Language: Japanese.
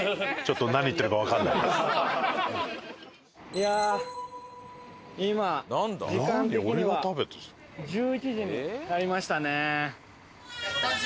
いやあ今時間的には１１時になりましたね。